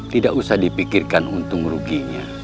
tidak usah dipikirkan untung ruginya